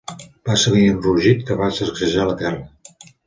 Va seguir un rugit que va sacsejar la terra.